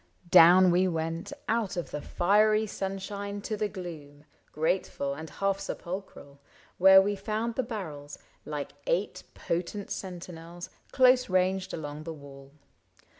Down we went. Out of the fiery sunshine to the gloom. Grateful and half sepulchral, where we found The barrels, like eight potent sentinels. ISAAC AND ARCHIBALD 93 Close ranged along the wall.